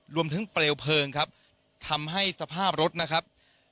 เปลวเพลิงครับทำให้สภาพรถนะครับ